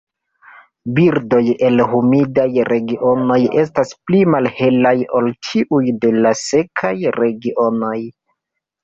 Birdoj el humidaj regionoj estas pli malhelaj ol tiuj de la sekaj regionoj.